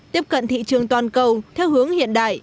tiếp cận thị trường toàn cầu theo hướng hiện đại